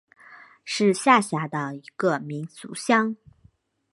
是下辖的一个民族乡。